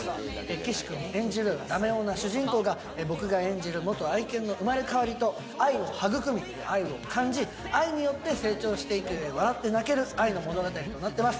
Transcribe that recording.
岸君演じるダメ男な主人公が僕が演じる元愛犬の生まれ変わりと愛を育み、愛を感じ、愛によって成長していく、笑って泣ける愛の物語となってます。